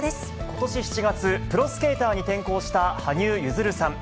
ことし７月、プロスケーターに転向した羽生結弦さん。